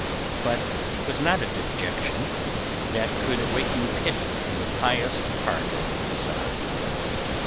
But it was not a dejection that could awaken pity in the pious heart of Asad.